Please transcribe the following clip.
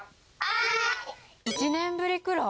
１年ぶりくらい？